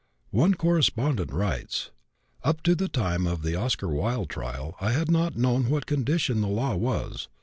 One correspondent writes: "Up to the time of the Oscar Wilde trial I had not known what the condition of the law was.